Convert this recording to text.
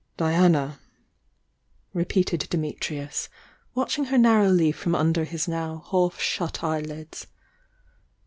"Diana," repeated Dimitrius, watching her nar rowly from under his now half shut eyelids.